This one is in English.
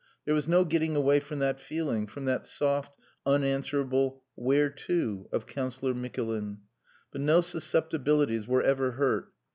There was no getting away from that feeling, from that soft, unanswerable, "Where to?" of Councillor Mikulin. But no susceptibilities were ever hurt.